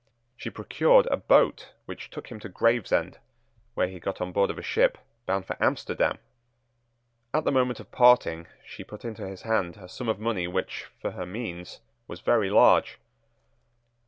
She procured a boat which took him to Gravesend, where he got on board of a ship bound for Amsterdam. At the moment of parting she put into his hand a sum of money which, for her means, was very large.